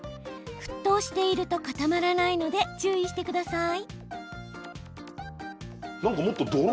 沸騰していると固まらないので注意してください。